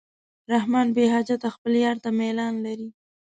رحمان بېحجته خپل یار ته میلان لري.